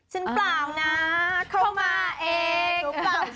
เปล่านะเข้ามาเอง